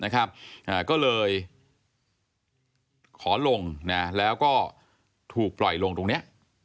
ก็เลยขอลงแล้วก็ถูกปล่อยลงตรงนี้